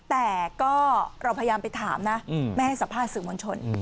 แต่ก็เราพยายามไปถามนะไม่ให้สัมภาษณ์สื่อมวลชน